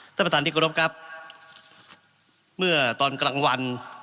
ท่านประธานที่กรบครับเมื่อตอนกลางวัน